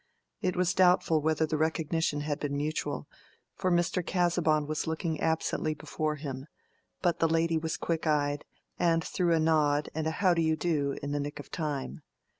It was doubtful whether the recognition had been mutual, for Mr. Casaubon was looking absently before him; but the lady was quick eyed, and threw a nod and a "How do you do?" in the nick of time.